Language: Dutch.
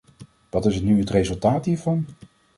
Wat is nu het resultaat hiervan?